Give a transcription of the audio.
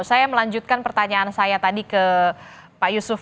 saya melanjutkan pertanyaan saya tadi ke pak yusuf